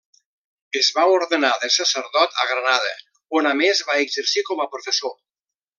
Es va ordenar de sacerdot a Granada, on a més va exercir com a professor.